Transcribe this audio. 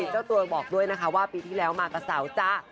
เจ้าตัวบอกด้วยนะคะว่าปีที่แล้วมากับเสาจ้า